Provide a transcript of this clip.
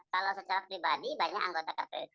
kalau secara pribadi banyak anggota kpu